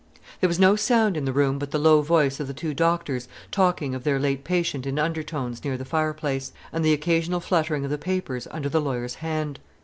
There was no sound in the room but the low voice of the two doctors talking of their late patient in undertones near the fireplace, and the occasional fluttering of the papers under the lawyer's hand.